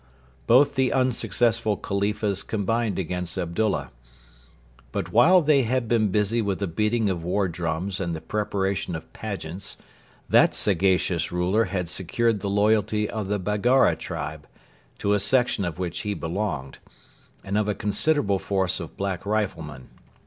Both the unsuccessful Khalifas combined against Abdullah. But while they had been busy with the beating of war drums and the preparation of pageants, that sagacious ruler had secured the loyalty of the Baggara tribe, to a section of which he belonged, and of a considerable force of black riflemen.